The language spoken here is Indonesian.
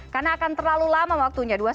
karena akan terlalu lama waktunya